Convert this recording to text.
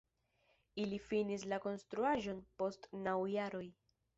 Ili finis la konstruaĵon post naŭ jaroj.